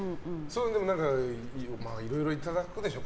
でも、いろいろいただくでしょ？